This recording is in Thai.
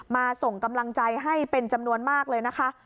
ส่งกำลังใจให้เป็นจำนวนมากเลยนะคะ